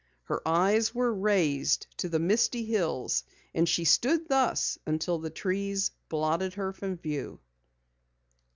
Her eyes were raised to the misty hills and she stood thus until the trees blotted her from view.